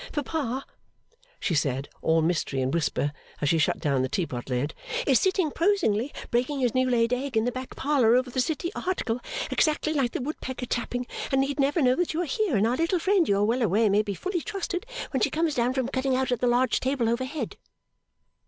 'Papa,' she said, all mystery and whisper, as she shut down the tea pot lid, 'is sitting prosingly breaking his new laid egg in the back parlour over the City article exactly like the Woodpecker Tapping and need never know that you are here, and our little friend you are well aware may be fully trusted when she comes down from cutting out on the large table overhead.